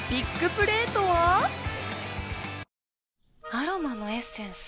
アロマのエッセンス？